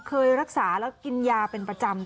เคยรักษาแล้วกินยาเป็นประจำ